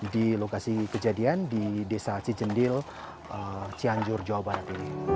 di lokasi kejadian di desa cijendil cianjur jawa barat ini